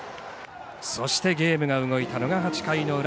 そしてゲームが動いたのが８回の裏。